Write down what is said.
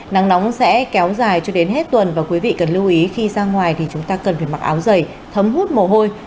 nắng nóng sẽ kéo dài cho đến hết tuần và quý vị cần lưu ý khi ra ngoài thì chúng ta cần phải mặc áo dày thấm hút mồ hôi